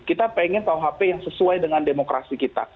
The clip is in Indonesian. kita pengen kuhp yang sesuai dengan demokrasi kita